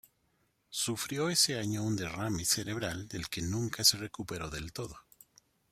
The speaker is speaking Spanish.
Sufrió ese año un derrame cerebral del que nunca se recuperó del todo.